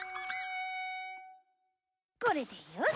これでよし！